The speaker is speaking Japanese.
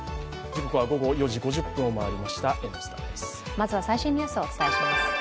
まずは最新ニュースをお伝えします。